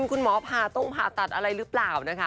คุณหมอผ่าต้มผ่าตัดอะไรรึเปล่า